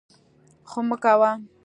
خو مه کوه!